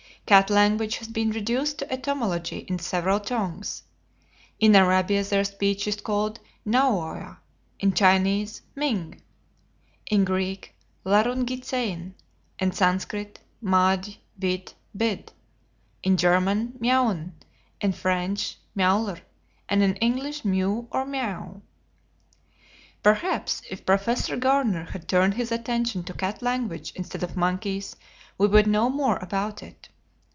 Cat language has been reduced to etymology in several tongues. In Arabia their speech is called naoua; in Chinese, ming; in Greek, larungizein; in Sanscrit, madj, vid, bid; in German, miauen; in French miauler; and in English, mew or "miaouw." Perhaps, if Professor Garner had turned his attention to cat language instead of monkeys we would know more about it.